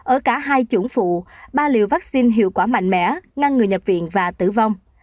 ở cả hai chủng phụ ba liều vaccine hiệu quả mạnh mẽ ngăn người nhập viện và tử vong